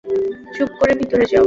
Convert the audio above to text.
চুপ করে ভিতরে যাও!